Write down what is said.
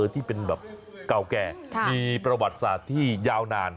ที่เป็นแบบเก่าแก่มีประวัติศาสตร์ที่ยาวนาน